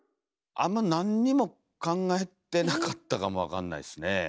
あんま何にも考えてなかったかも分かんないっすねえ。